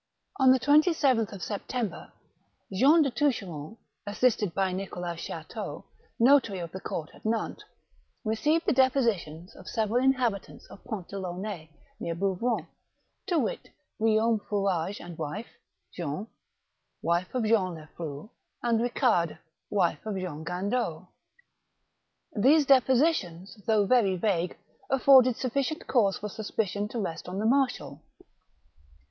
On the 27th September, Jean de Toucheronde, assisted by Nicolas Chateau, notary of the court at Nantes, received the depositions of several inhabitants of Pont de Launay, near Bouvron : to wit, Guillaume Fourage and wife ; Jeanne, wife of Jean Leflou ; and Eicharde, wife of Jean Gandeau. These depositions, though very vague, afforded suflBcient cause for suspicion to rest on the marshal.